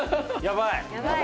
やばい。